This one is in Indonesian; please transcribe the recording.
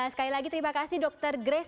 sekali lagi terima kasih dokter grace